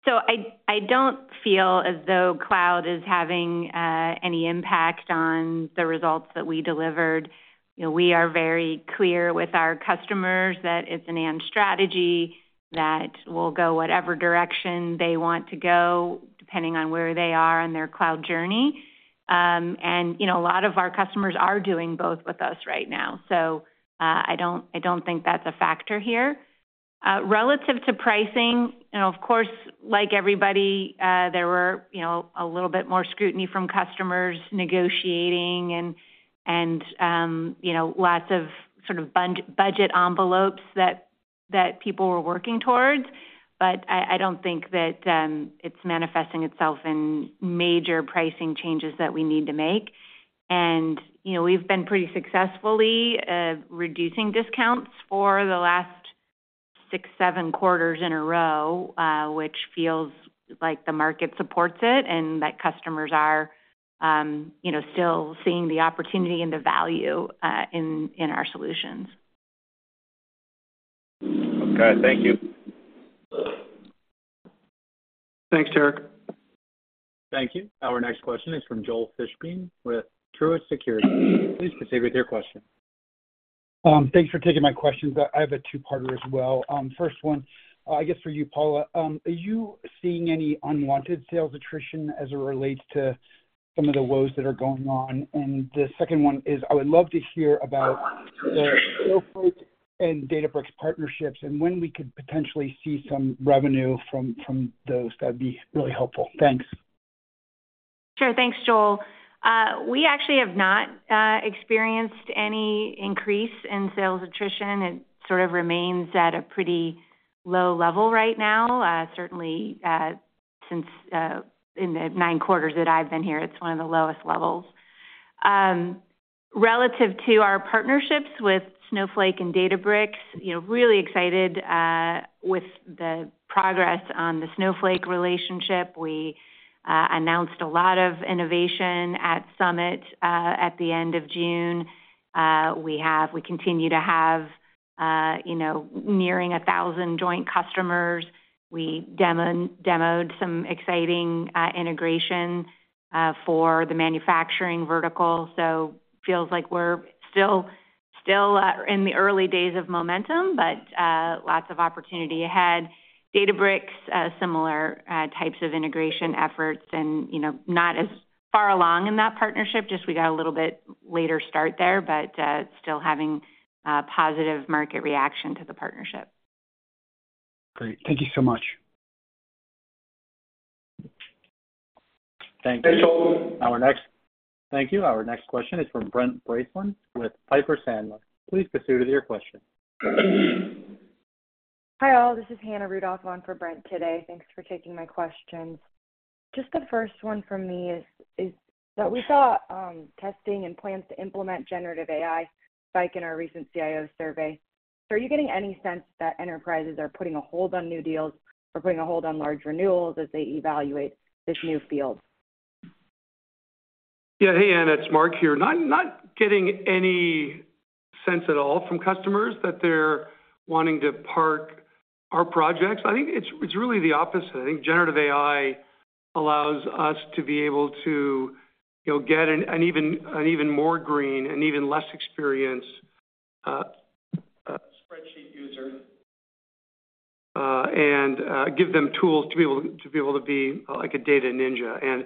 So I, I don't feel as though cloud is having any impact on the results that we delivered. You know, we are very clear with our customers that it's an and strategy that will go whatever direction they want to go, depending on where they are on their cloud journey. And, you know, a lot of our customers are doing both with us right now, so I don't, I don't think that's a factor here. Relative to pricing, you know, of course, like everybody, there were, you know, a little bit more scrutiny from customers negotiating and, and, you know, lots of sort of budget envelopes that, that people were working towards. But I, I don't think that it's manifesting itself in major pricing changes that we need to make. You know, we've been pretty successfully reducing discounts for the last six, seven quarters in a row, which feels like the market supports it and that customers are, you know, still seeing the opportunity and the value in, in our solutions. Okay. Thank you. Thanks, Derek. Thank you. Our next question is from Joel Fishbein with Truist Securities. Please proceed with your question. Thanks for taking my questions. I, I have a two-parter as well. First one, I guess for you, Paula. Are you seeing any unwanted sales attrition as it relates to some of the woes that are going on? The second one is, I would love to hear about the Snowflake and Databricks partnerships and when we could potentially see some revenue from, from those, that'd be really helpful. Thanks. Sure. Thanks, Joel. We actually have not experienced any increase in sales attrition. It sort of remains at a pretty low level right now. Certainly, since in the 9 quarters that I've been here, it's one of the lowest levels. Relative to our partnerships with Snowflake and Databricks, you know, really excited with the progress on the Snowflake relationship. We announced a lot of innovation at Summit at the end of June. We continue to have, you know, nearing 1,000 joint customers. We demoed some exciting integration for the manufacturing vertical, so feels like we're still...... still in the early days of momentum, but lots of opportunity ahead. Databricks, similar types of integration efforts and, you know, not as far along in that partnership, just we got a little bit later start there, but still having positive market reaction to the partnership. Great. Thank you so much. Thank you. Thank you. Our next question is from Brent Bracelin with Piper Sandler. Please proceed with your question. Hi, all. This is Hannah Rudolph on for Brent today. Thanks for taking my questions. Just the first one from me is that we saw testing and plans to implement generative AI spike in our recent CIO survey. Are you getting any sense that enterprises are putting a hold on new deals or putting a hold on large renewals as they evaluate this new field? Yeah. Hey, Hannah, it's Mark here. Not, not getting any sense at all from customers that they're wanting to park our projects. I think it's, it's really the opposite. I think generative AI allows us to be able to, you know, get an, an even, an even more green and even less experienced spreadsheet user, and give them tools to be able, to be able to be like a data ninja. And,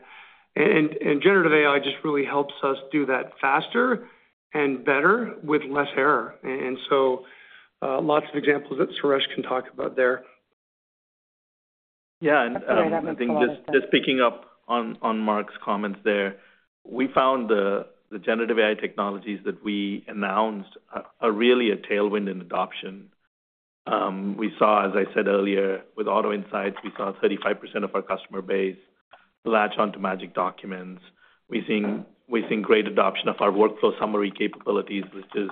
and generative AI just really helps us do that faster and better with less error. Lots of examples that Suresh can talk about there. Yeah, I think just picking up on Mark's comments there, we found the generative AI technologies that we announced are really a tailwind in adoption. We saw, as I said earlier, with Auto Insights, we saw 35% of our customer base latch on to Magic Documents. We're seeing great adoption of our Workflow Summary capabilities, which is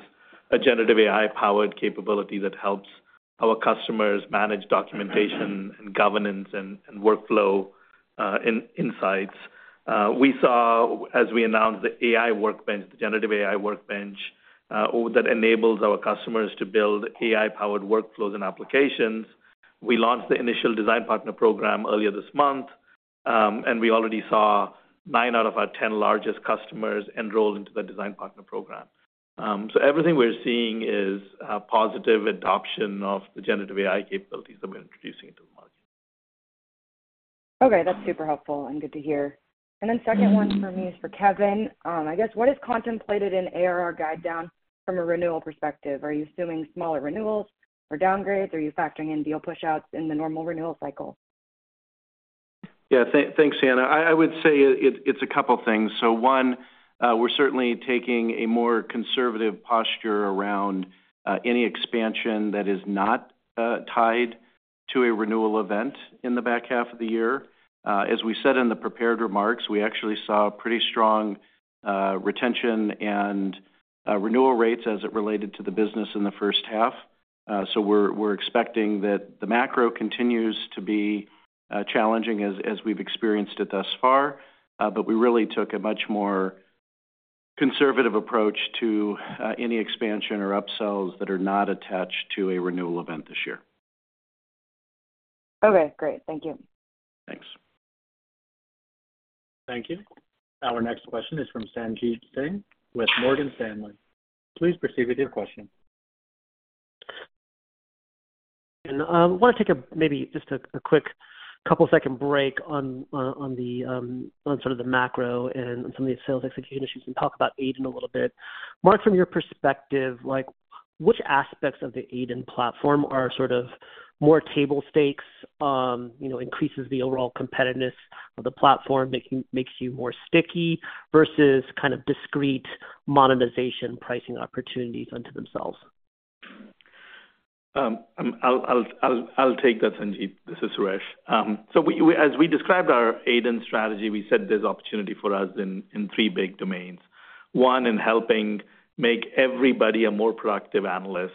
a generative AI-powered capability that helps our customers manage documentation and governance and workflow in insights. We saw as we announced the AI Workbench, the generative AI Workbench, that enables our customers to build AI-powered workflows and applications. We launched the initial design partner program earlier this month. We already saw 9 out of our 10 largest customers enroll into the design partner program. Everything we're seeing is positive adoption of the generative AI capabilities that we're introducing into the market. Okay, that's super helpful and good to hear. Then second for me is for Kevin. I guess, what is contemplated in ARR guide down from a renewal perspective? Are you assuming smaller renewals or downgrades? Are you factoring in deal pushouts in the normal renewal cycle? Yeah. Thanks, Hannah. I, I would say it, it's a couple things. One, we're certainly taking a more conservative posture around any expansion that is not tied to a renewal event in the back half of the year. As we said in the prepared remarks, we actually saw pretty strong retention and renewal rates as it related to the business in the first half. We're expecting that the macro continues to be challenging as, as we've experienced it thus far. We really took a much more conservative approach to any expansion or upsells that are not attached to a renewal event this year. Okay, great. Thank you. Thanks. Thank you. Our next question is from Sanjit Singh with Morgan Stanley. Please proceed with your question. I want to take a maybe just a, a quick couple second break on, on, on the on sort of the macro and some of these sales execution issues and talk about AiDIN a little bit. Mark, from your perspective, like, which aspects of the AiDIN platform are sort of more table stakes, you know, increases the overall competitiveness of the platform, makes you more sticky versus kind of discrete monetization, pricing opportunities unto themselves? I'll, I'll, I'll, I'll take that, Sanjit. This is Suresh. We, we, as we described our AiDIN strategy, we said there's opportunity for us in, in three big domains. One, in helping make everybody a more productive analyst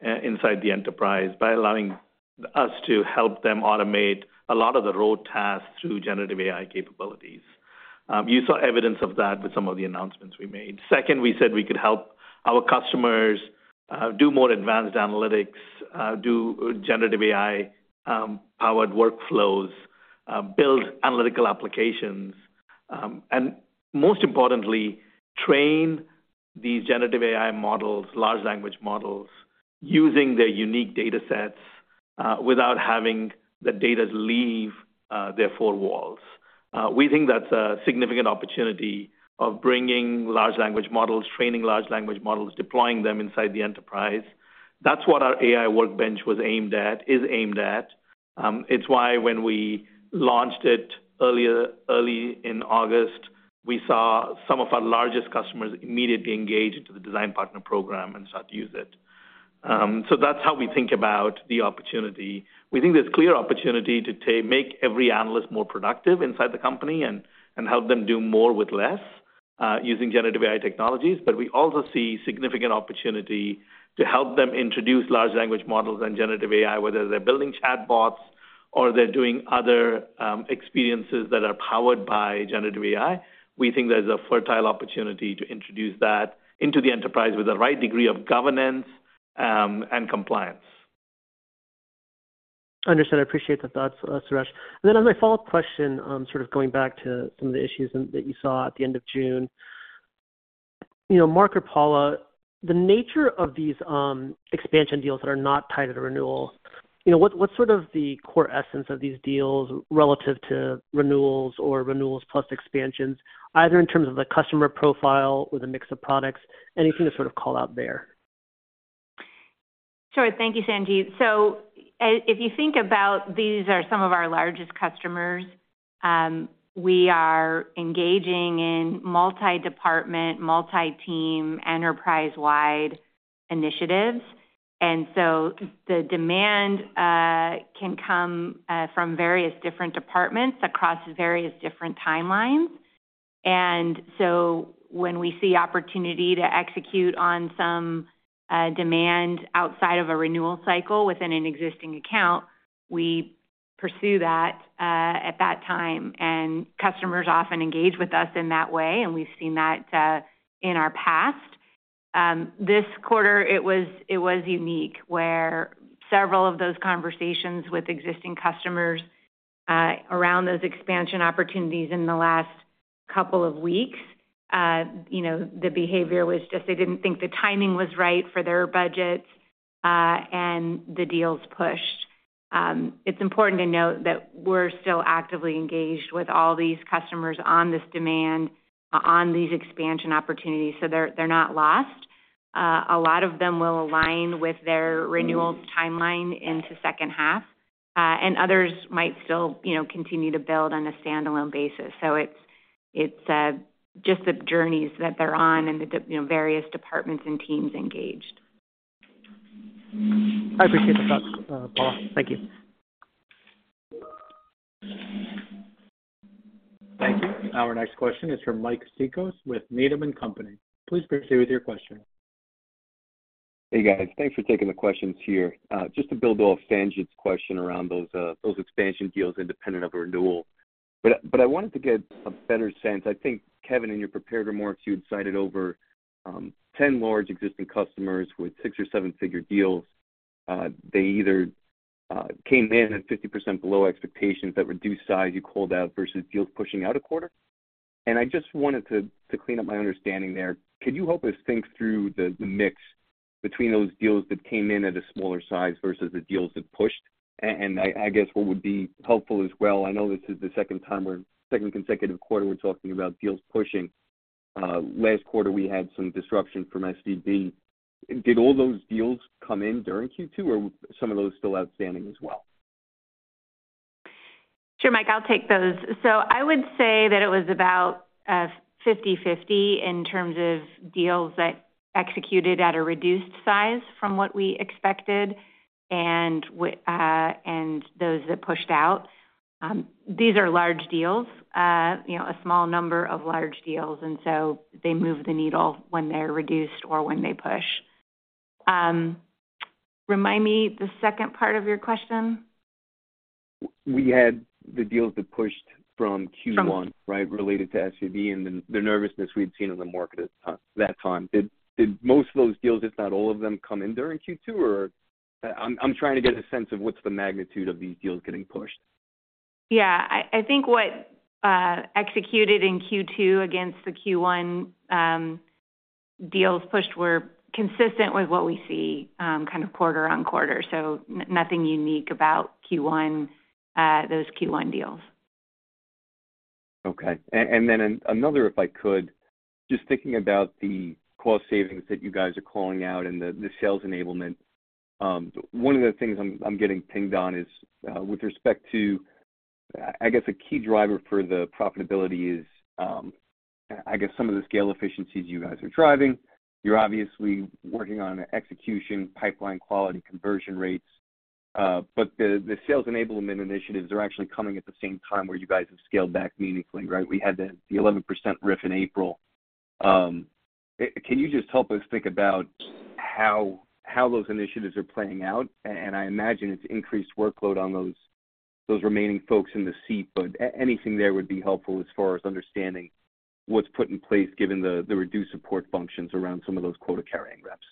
inside the enterprise by allowing us to help them automate a lot of the role tasks through generative AI capabilities. You saw evidence of that with some of the announcements we made. Second, we said we could help our customers, do more advanced analytics, do generative AI powered workflows, build analytical applications, and most importantly, train these generative AI models, large language models, using their unique datasets, without having the data leave their four walls. We think that's a significant opportunity of bringing large language models, training large language models, deploying them inside the enterprise. That's what our AI Workbench was aimed at, is aimed at. It's why when we launched it earlier, early in August, we saw some of our largest customers immediately engage into the design partner program and start to use it. So that's how we think about the opportunity. We think there's clear opportunity to make every analyst more productive inside the company and, and help them do more with less, using generative AI technologies. We also see significant opportunity to help them introduce large language models and generative AI, whether they're building chatbots or they're doing other, experiences that are powered by generative AI. We think there's a fertile opportunity to introduce that into the enterprise with the right degree of governance, and compliance. Understand. I appreciate the thoughts, Suresh. On my follow-up question, sort of going back to some of the issues that you saw at the end of June, you know, Mark or Paula, the nature of these expansion deals that are not tied to the renewals, you know, what, what's sort of the core essence of these deals relative to renewals or renewals plus expansions, either in terms of the customer profile or the mix of products? Anything to sort of call out there? Sure. Thank you, Sanjit. If you think about these are some of our largest customers, we are engaging in multi-department, multi-team, enterprise-wide initiatives. The demand can come from various different departments across various different timelines. When we see opportunity to execute on some demand outside of a renewal cycle within an existing account, we pursue that at that time, and customers often engage with us in that way, and we've seen that in our past. This quarter, it was, it was unique, where several of those conversations with existing customers, around those expansion opportunities in the last couple of weeks, you know, the behavior was just they didn't think the timing was right for their budgets, and the deals pushed. It's important to note that we're still actively engaged with all these customers on this demand, on these expansion opportunities. They're, they're not lost. A lot of them will align with their renewals timeline into second half, and others might still, you know, continue to build on a standalone basis. It's, it's, just the journeys that they're on and you know, various departments and teams engaged. I appreciate the thoughts, Paula. Thank you. Thank you. Our next question is from Mike Cikos with Needham & Company. Please proceed with your question. Hey, guys. Thanks for taking the questions here. Just to build off Sanjit's question around those expansion deals independent of a renewal. I wanted to get a better sense. I think, Kevin, in your prepared remarks, you had cited over 10 large existing customers with 6- or 7-figure deals. They either came in at 50% below expectations that reduced size, you called out, versus deals pushing out a quarter. I just wanted to clean up my understanding there. Could you help us think through the mix between those deals that came in at a smaller size versus the deals that pushed? I guess what would be helpful as well, I know this is the second time or second consecutive quarter we're talking about deals pushing. Last quarter we had some disruption from SVB. Did all those deals come in during Q2, or some of those still outstanding as well? Sure, Mike, I'll take those. I would say that it was about 50/50 in terms of deals that executed at a reduced size from what we expected and those that pushed out. These are large deals, you know, a small number of large deals, and so they move the needle when they're reduced or when they push. Remind me the second part of your question. We had the deals that pushed from Q1- Sure. right, related to SVB and then the nervousness we'd seen in the market at that time. Did, did most of those deals, if not all of them, come in during Q2, or? I'm, I'm trying to get a sense of what's the magnitude of these deals getting pushed. Yeah. I think what executed in Q2 against the Q1 deals pushed were consistent with what we see, kind of quarter on quarter, so nothing unique about Q1, those Q1 deals. Okay. Then another, if I could, just thinking about the cost savings that you guys are calling out and the, the sales enablement, one of the things I'm, I'm getting pinged on is with respect to, I guess, a key driver for the profitability is, I guess some of the scale efficiencies you guys are driving. You're obviously working on execution, pipeline quality, conversion rates, but the, the sales enablement initiatives are actually coming at the same time where you guys have scaled back meaningfully, right? We had the, the 11% RIF in April. Can you just help us think about how, how those initiatives are playing out? I imagine it's increased workload on those, those remaining folks in the seat, but anything there would be helpful as far as understanding what's put in place, given the, the reduced support functions around some of those quota-carrying reps.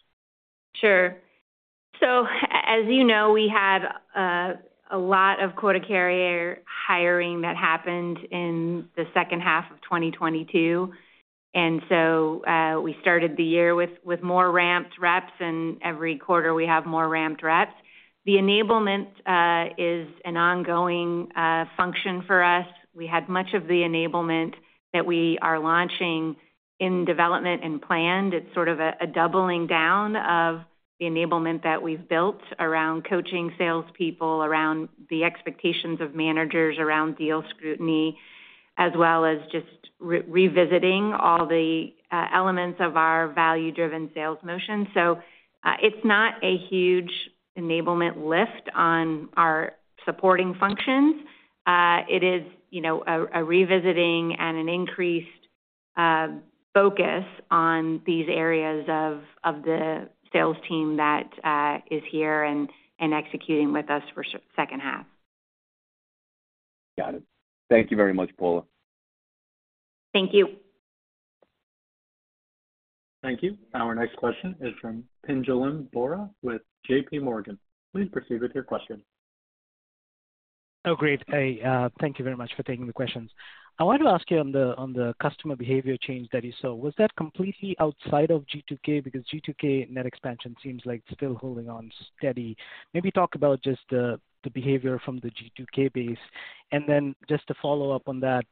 Sure. As you know, we had a lot of quota carrier hiring that happened in the second half of 2022, and so, we started the year with more ramped reps, and every quarter we have more ramped reps. The enablement is an ongoing function for us. We had much of the enablement that we are launching in development and planned. It's sort of a doubling down of the enablement that we've built around coaching salespeople, around the expectations of managers, around deal scrutiny, as well as just revisiting all the elements of our value-driven sales motion. It's not a huge enablement lift on our supporting functions. It is, you know, a, a revisiting and an increased focus on these areas of, of the sales team that is here and, and executing with us for second half. Got it. Thank you very much, Paula. Thank you. Thank you. Our next question is from Pinjalim Bora with JPMorgan. Please proceed with your question. Oh, great. Hey, thank you very much for taking the questions. I wanted to ask you on the, on the customer behavior change that you saw, was that completely outside of G2K? Because G2K net expansion seems like still holding on steady. Maybe talk about just the, the behavior from the G2K base. And then just to follow up on that,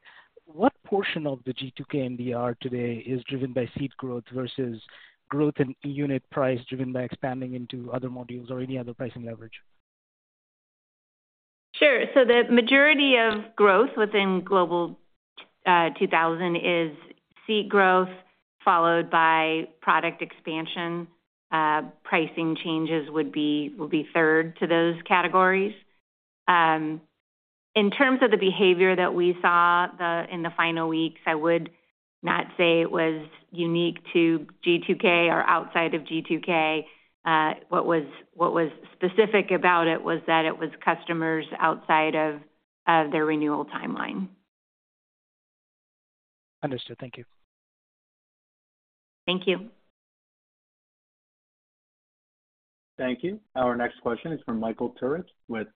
what portion of the G2K NDR today is driven by seat growth versus growth in unit price, driven by expanding into other modules or any other pricing leverage? Sure. The majority of growth within Global 2000 is seat growth, followed by product expansion. Pricing changes would be will be third to those categories. In terms of the behavior that we saw the in the final weeks, I would not say it was unique to G2K or outside of G2K. What was what was specific about it was that it was customers outside of of their renewal timeline. Understood. Thank you. Thank you. Thank you. Our next question is from Michael Turits with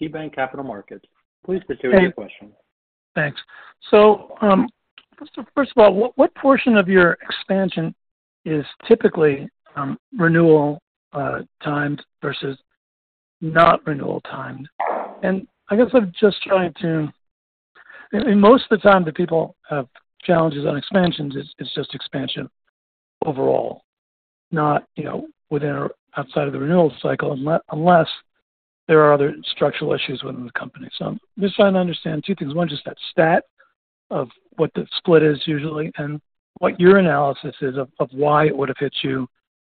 KeyBanc Capital Markets. Please proceed with your question. Thanks. First of all, what portion of your expansion is typically, renewal timed versus not renewal timed? Most of the time that people have challenges on expansions, it's just expansion overall, not, you know, within or outside of the renewal cycle, unless there are other structural issues within the company. I'm just trying to understand two things. One, just that stat of what the split is usually and what your analysis is of why it would have hit you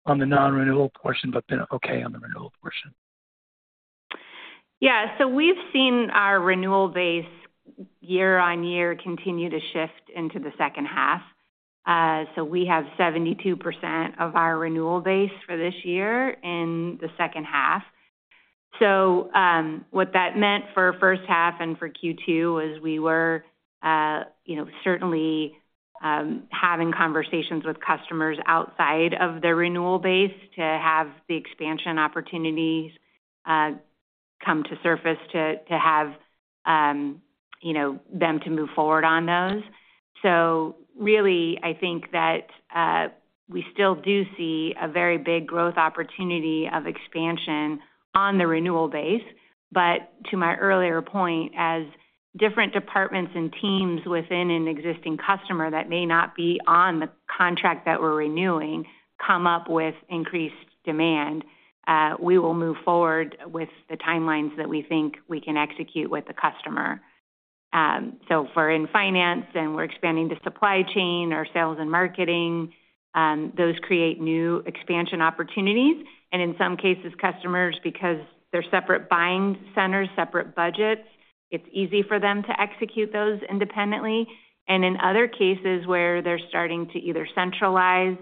on the non-renewal portion, but been okay on the renewal portion? Yeah. We've seen our renewal base year-on-year continue to shift into the second half. We have 72% of our renewal base for this year in the second half. What that meant for first half and for Q2 was we were, you know, certainly, having conversations with customers outside of their renewal base to have the expansion opportunities come to surface to, to have, you know, them to move forward on those. Really, I think that we still do see a very big growth opportunity of expansion on the renewal base. To my earlier point, as different departments and teams within an existing customer that may not be on the contract that we're renewing, come up with increased demand, we will move forward with the timelines that we think we can execute with the customer. If we're in finance and we're expanding the supply chain or sales and marketing, those create new expansion opportunities. In some cases, customers, because they're separate buying centers, separate budgets, it's easy for them to execute those independently. In other cases where they're starting to either centralize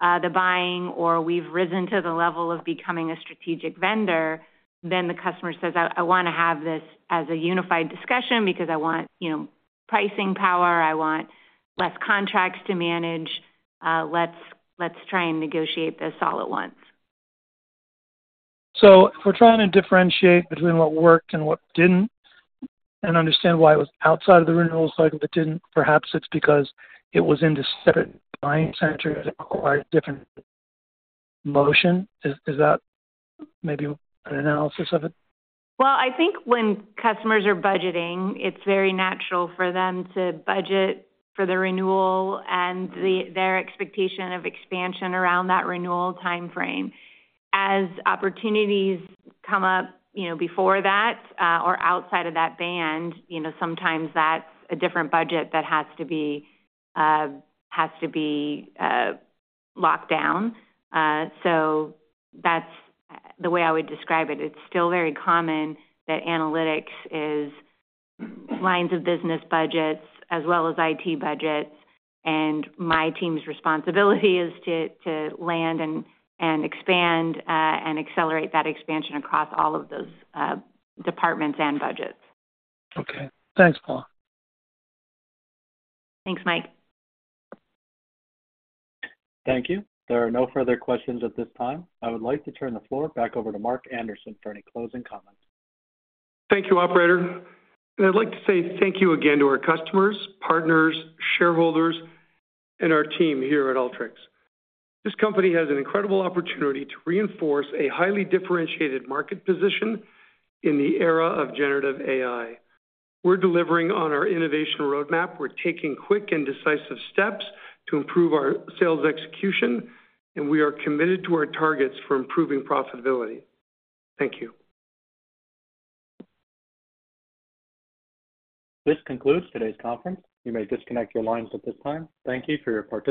the buying or we've risen to the level of becoming a strategic vendor, then the customer says, "I, I want to have this as a unified discussion because I want, you know, pricing power, I want less contracts to manage. Let's, let's try and negotiate this all at once. If we're trying to differentiate between what worked and what didn't, and understand why it was outside of the renewal cycle, but didn't, perhaps it's because it was in the separate buying center, it required different motion. Is, is that maybe an analysis of it? Well, I think when customers are budgeting, it's very natural for them to budget for the renewal and the, their expectation of expansion around that renewal timeframe. As opportunities come up, you know, before that, or outside of that band, you know, sometimes that's a different budget that has to be, has to be, locked down. So that's the way I would describe it. It's still very common that analytics is lines of business budgets as well as IT budgets, and my team's responsibility is to, to land and, and expand, and accelerate that expansion across all of those, departments and budgets. Okay. Thanks, Paula. Thanks, Mike. Thank you. There are no further questions at this time. I would like to turn the floor back over to Mark Anderson for any closing comments. Thank you, operator. I'd like to say thank you again to our customers, partners, shareholders, and our team here at Alteryx. This company has an incredible opportunity to reinforce a highly differentiated market position in the era of generative AI. We're delivering on our innovation roadmap. We're taking quick and decisive steps to improve our sales execution, and we are committed to our targets for improving profitability. Thank you. This concludes today's conference. You may disconnect your lines at this time. Thank you for your participation.